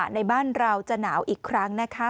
ในบ้านเราจะหนาวอีกครั้งนะคะ